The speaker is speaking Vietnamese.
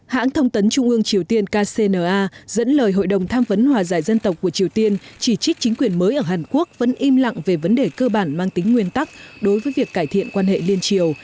hãng thông tấn trung ương triều tiên kcna dẫn lời hội đồng tham vấn hòa giải dân tộc của triều tiên chỉ trích chính quyền mới ở hàn quốc vẫn im lặng về vấn đề cơ bản mang tính nguyên tắc đối với việc cải thiện quan hệ liên triều